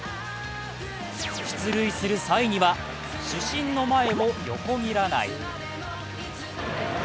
出塁する際には主審の前を横切らない。